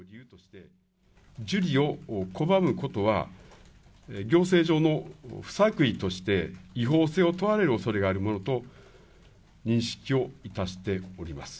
受理を拒むことは、行政上の不作為として違法性を問われるおそれがあるものと認識をいたしております。